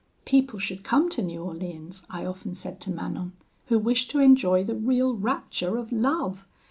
'People should come to New Orleans,' I often said to Manon, 'who wish to enjoy the real rapture of love!